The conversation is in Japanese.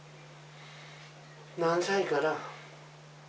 何歳かな。